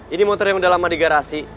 ini motor yang udah lama di garasi